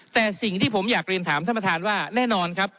แต่สิ่งที่ผมอยากเรียนถามท่านประธานว่าแน่นอนครับ